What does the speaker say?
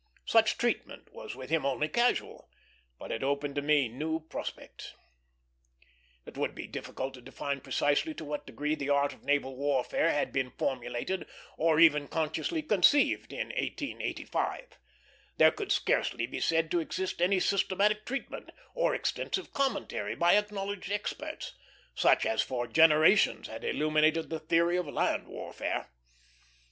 Such treatment was with him only casual, but it opened to me new prospects. It would be difficult to define precisely to what degree the art of naval warfare had been formulated, or even consciously conceived, in 1885. There could scarcely be said to exist any systematic treatment, or extensive commentary by acknowledged experts, such as for generations had illuminated the theory of land warfare.